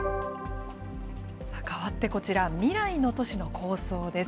変わってこちら、未来の都市の構想です。